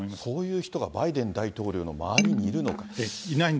そういう人がバイデン大統領の周りにいるのか。